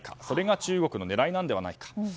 それが中国の狙いなのではないか。